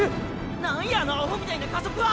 何やあのアホみたいな加速は！